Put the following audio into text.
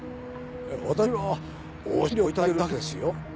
私は往診料をいただいてるだけですよ。